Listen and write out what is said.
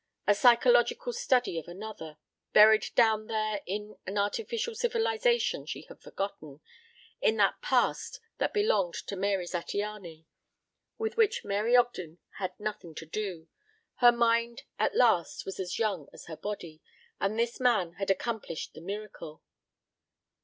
. a psychological study of another ... buried down there in an artificial civilization she had forgotten ... in that past that belonged to Marie Zattiany ... with which Mary Ogden had nothing to do ... her mind at last was as young as her body, and this man had accomplished the miracle.